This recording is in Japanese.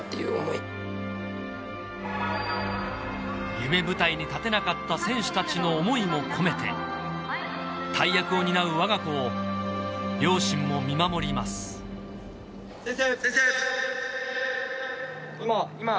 夢舞台に立てなかった選手たちの思いも込めて大役を担うわが子を両親も見守ります宣誓！